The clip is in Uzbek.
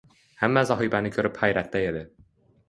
Hamma Sohibani ko`rib hayratda edi